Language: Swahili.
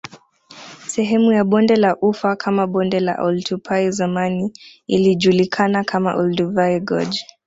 Sehemu ya Bonde la ufa kama Bonde la Oltupai zamani ilijulikana kama Olduvai Gorge